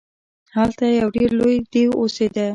هلته یو ډیر لوی دیو اوسیده.